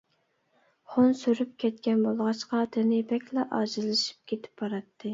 خۇن سۈرۈپ كەتكەن بولغاچقا تېنى بەكلا ئاجىزلىشىپ كېتىپ باراتتى.